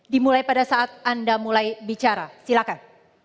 dimulai pada saat anda mulai bicara silakan